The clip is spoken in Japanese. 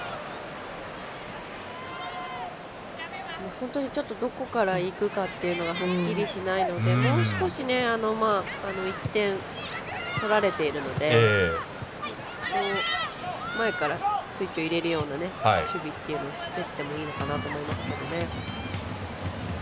本当にちょっとどこからいくかっていうのがはっきりしないのでもう少し、１点取られているので前から入れるような守備をしていってもいいのかもしれないですね。